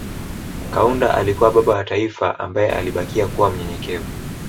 Kaunda alikuwa baba wa taifa ambaye alibakia kuwa mnyenyekevu